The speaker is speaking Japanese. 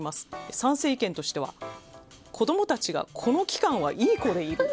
賛成意見としては子供たちがこの期間はいい子でいる。